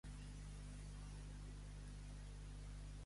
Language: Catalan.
Quin any va crear una escola, ell?